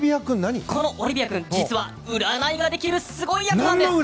このオリビア君、実は占いができるすごいやつなんです。